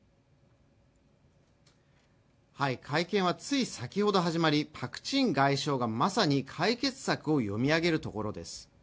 会見はつい先ほど始まりパク・チン外相がまさに解決策を読み上げるところです。